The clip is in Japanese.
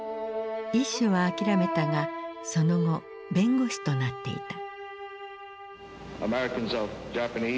医師は諦めたがその後弁護士となっていた。